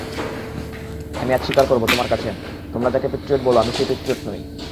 আমি আজ স্বীকার করব তোমার কাছে,–তোমরা যাকে পেট্রিয়ট বলো আমি সেই পেট্রিয়ট নই।